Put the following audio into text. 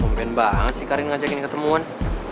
mungkin banget sih karin ngajakin ketemuan